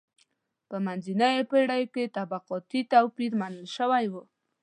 په منځنیو پېړیو کې طبقاتي توپیر منل شوی و.